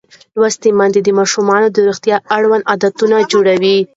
لوستې میندې د ماشومانو د روغتیا اړوند عادتونه جوړوي.